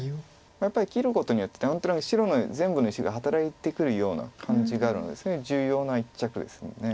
やっぱり切ることによって何となく白の全部の石が働いてくるような感じがあるのでそれは重要な一着ですよね。